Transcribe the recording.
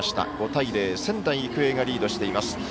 ５対０仙台育英がリードしています。